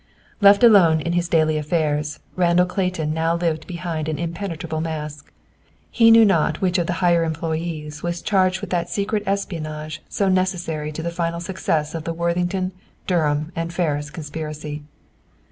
Left alone to his daily affairs, Randall Clayton now lived behind an impenetrable mask. He knew not which of the higher employees was charged with that secret espionage so necessary to the final success of the Worthington, Durham and Ferris conspiracy.